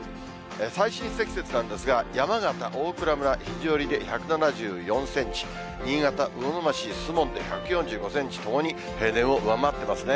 最深積雪なんですが、山形・大蔵村肘折で１７４センチ、新潟・魚沼市守門で１４５センチ、ともに平年を上回っていますね。